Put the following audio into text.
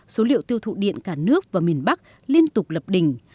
số liệu tiêu thụ điện cả nước và miền bắc liên tục lập đỉnh